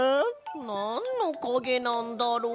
なんのかげなんだろう？